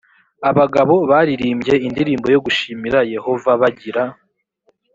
abagabo baririmbye indirimbo yo gushimira yehova bagira